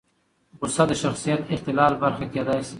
غوسه د شخصیت اختلال برخه کېدای شي.